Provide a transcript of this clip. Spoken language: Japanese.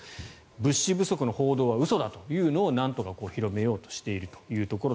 物資不足の報道は嘘だというのをなんとか広めようとしていると。